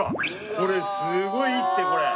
これすごいってこれ。